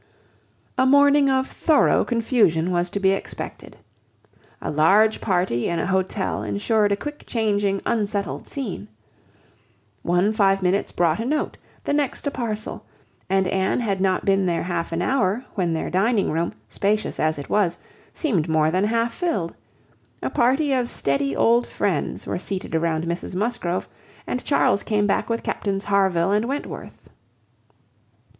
A morning of thorough confusion was to be expected. A large party in an hotel ensured a quick changing, unsettled scene. One five minutes brought a note, the next a parcel; and Anne had not been there half an hour, when their dining room, spacious as it was, seemed more than half filled: a party of steady old friends were seated around Mrs Musgrove, and Charles came back with Captains Harville and Wentworth.